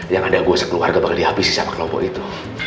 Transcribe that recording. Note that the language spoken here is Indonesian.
yang ada gue sekeluarga bakal dihabisi sama kelompok itu